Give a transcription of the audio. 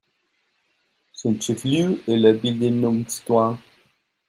Son chef-lieu est la ville de Nongstoin.